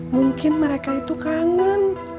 mungkin mereka itu kangen